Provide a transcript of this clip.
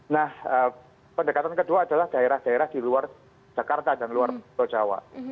nah pendekatan kedua adalah daerah daerah di luar jakarta dan luar pulau jawa